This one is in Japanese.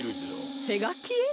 せがきえ？